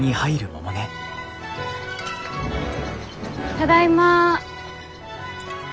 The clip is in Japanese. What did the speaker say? ただいま。